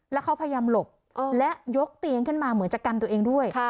แล้วเขาพยายามหลบและยกเตียงขึ้นมาเหมือนจะกันตัวเองด้วย